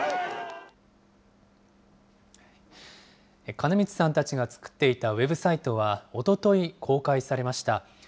金光さんたちが作っていたウェブサイトはおととい公開されました。